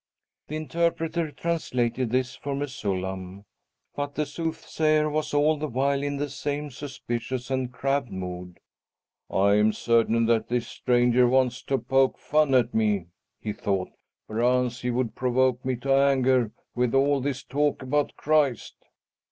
The interpreter translated this for Mesullam, but the soothsayer was all the while in the same suspicious and crabbed mood. "I am certain that this stranger wants to poke fun at me," he thought. "Perchance he would provoke me to anger with all this talk about Christ?"